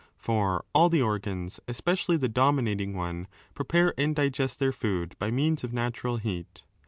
For all the organs (especially the dominating one) prepare and digest their food by means 5 of natural heat.